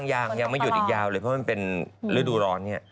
ยังยังไม่หยุดอีกยาวเลยเพราะมันเป็นฤดูร้อนเนี่ย